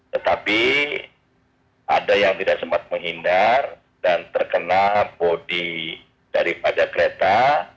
tetapi ada yang tidak sempat menghindar dan terkena bodi daripada kereta